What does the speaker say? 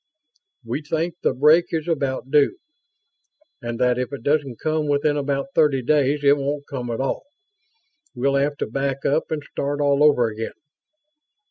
"We think the break is about due, and that if it doesn't come within about thirty days it won't come at all we'll have to back up and start all over again."